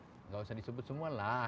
tidak usah disebut semua lah